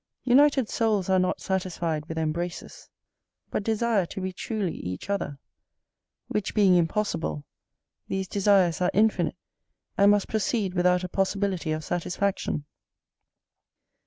United souls are not satisfied with embraces, but desire to be truly each other; which being impossible, these desires are infinite, and must proceed without a possibility of satisfaction.